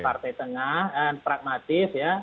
partai tengah and pragmatis ya